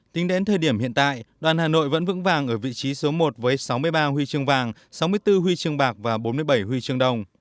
tính đến thời điểm hiện tại đoàn hà nội vẫn vững vàng ở vị trí số một với sáu mươi ba huy chương vàng sáu mươi bốn huy chương bạc và bốn mươi bảy huy chương đồng